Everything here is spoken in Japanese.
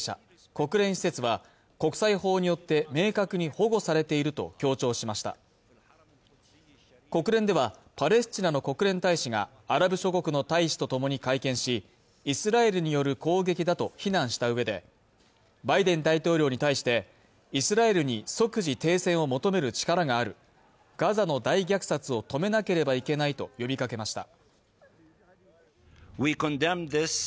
国連施設は国際法によって明確に保護されていると強調しました国連ではパレスチナの国連大使がアラブ諸国の大使とともに会見しイスラエルによる攻撃だと非難したうえでバイデン大統領に対してイスラエルに即時停戦を求める力があるガザの大虐殺を止めなければいけないと呼びかけました